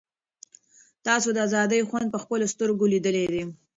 تاسو د آزادۍ خوند په خپلو سترګو لیدلی دی.